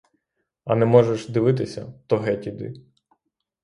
А не можеш дивитися, то геть іди!